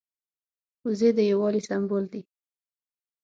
وزې د یو والي سمبول دي